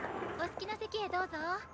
お好きな席へどうぞ。